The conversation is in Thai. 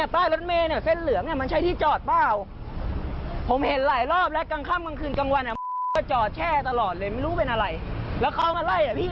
เป็นกระเป๋ารถเมเหเหมือนกันครับพี่